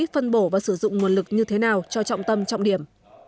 phân bổ và sử dụng nguồn lực như thế nào cho trọng tâm trọng điểm